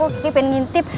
kiki pengen ngintip